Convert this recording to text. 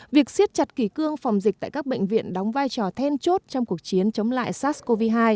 việc siết chặt kỷ cương phòng dịch tại các bệnh viện đóng vai trò then chốt trong cuộc chiến chống lại sars cov hai